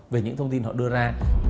về những thông tin họ đưa ra